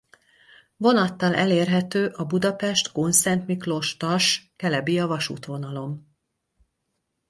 Vonattal elérhető a Budapest–Kunszentmiklós-Tass–Kelebia-vasútvonalon.